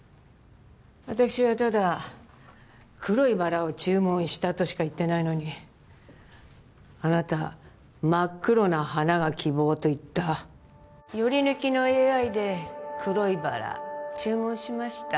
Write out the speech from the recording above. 私はただ黒いバラを注文したとしか言ってないのにあなた真っ黒な花が希望と言ったヨリヌキの ＡＩ で黒いバラ注文しました